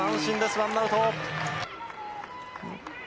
ワンアウト。